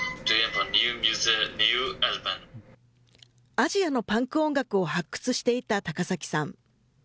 アジアのパンク音楽を発掘していた高崎さん。